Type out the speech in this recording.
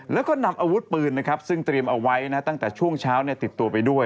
แล้วก็นำอาวุธปืนนะครับซึ่งเตรียมเอาไว้ตั้งแต่ช่วงเช้าติดตัวไปด้วย